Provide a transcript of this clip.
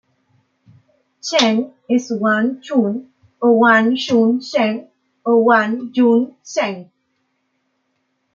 Cheng es Wan-Chun, o Wan-chün Cheng, o Wan Jun Zheng.